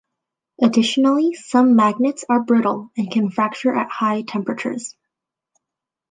Additionally, some magnets are brittle and can fracture at high temperatures.